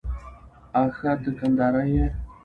آښه ته کندهاری يې؟